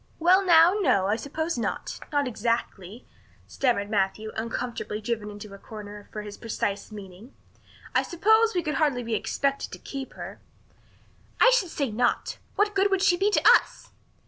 "Well, now, no, I suppose not not exactly," stammered Matthew, uncomfortably driven into a corner for his precise meaning. "I suppose we could hardly be expected to keep her." "I should say not. What good would she be to us?"